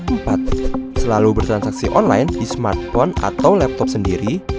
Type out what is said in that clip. empat selalu bertransaksi online di smartphone atau laptop sendiri